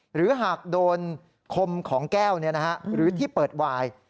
หรือหากโดนคมของแก้วหรือที่เปิดวาย